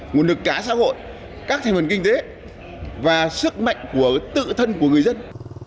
nguồn lực cả xã hội các thành phần kinh tế và sức mạnh của tự thân của người dân